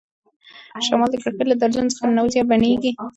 شمال د کړکۍ له درزونو څخه ننوځي او بڼیږي.